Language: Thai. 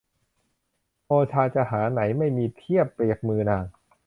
โอชาจะหาไหน ไม่มีเทียบเปรียบมือนาง